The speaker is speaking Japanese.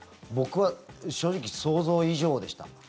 僕は正直想像以上でした。